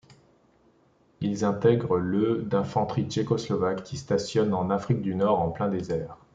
Ils intègrent le d'infanterie tchécoslovaque qui stationne en Afrique du Nord, en plein désert.